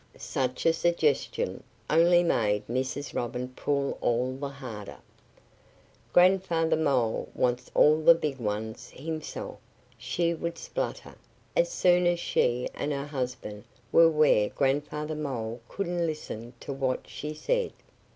Such a suggestion only made Mrs. Robin pull all the harder. "Grandfather Mole wants all the big ones himself," she would splutter as soon as she and her husband were where Grandfather Mole couldn't listen to what she said.